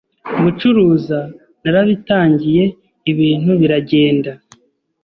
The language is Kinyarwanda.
gucuruza narabitangiye, ibintu biragenda